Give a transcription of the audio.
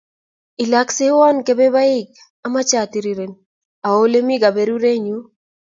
Ilakseywon kepebaik amache atiriren, awo olemi kaberuret nyu.